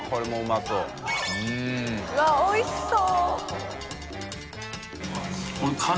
うわっおいしそう。